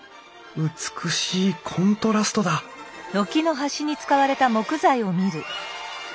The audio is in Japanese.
美しいコントラストだおおっ。